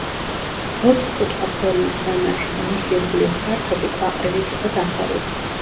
ოთხკუთხა ფორმის სამარხი და მის ირგვლივ ფართობი ქვაყრილით იყო დაფარული.